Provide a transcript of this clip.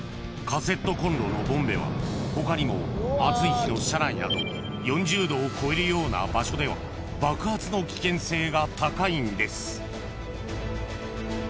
［カセットコンロのボンベは他にも暑い日の車内など４０℃を超えるような場所では爆発の危険性が高いんです］